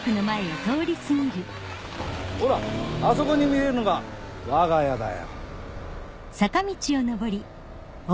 ほらあそこに見えるのがわが家だよ。